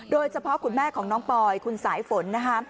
โดยเฉพาะคุณแม่ของน้องปอยคุณสายฝนนะฮะ